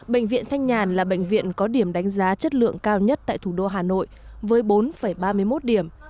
bệnh viện thanh nhàn là bệnh viện có điểm đánh giá chất lượng cao nhất tại thủ đô hà nội với bốn ba mươi một điểm